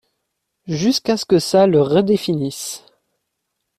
Jusqu’à ce que ça le redéfinisse.